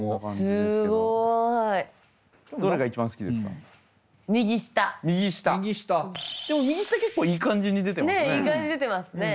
でも右下結構いい感じに出てますね。